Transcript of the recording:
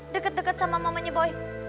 deket deket sama mamanya boy